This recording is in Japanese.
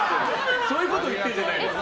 そういうことを言ってるんじゃないです。